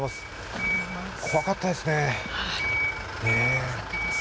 怖かったですね、ねえ。